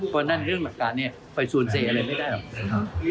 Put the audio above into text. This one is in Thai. เพราะฉะนั้นเรื่องหลักการเนี่ยไปสวนเซอะไรไม่ได้หรอก